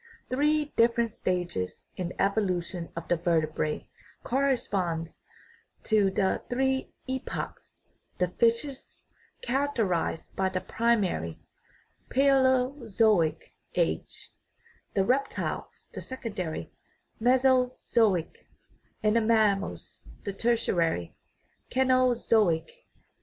Three differ ent stages in the evolution of the vertebrate correspond to the three epochs ; the fishes characterized the pri mary (palaeozoic) age, the reptiles the secondary (meso zoic), and the mammals the tertiary (caenozoic).